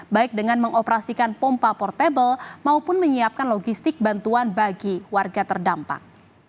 baik dengan mengoperasikan pompa portable maupun menyiapkan logistik bantuan bagi warga terdampak